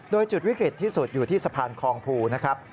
โดยจุดวิกฤตที่สุดอยู่ที่สะพานคลองภูนะครับ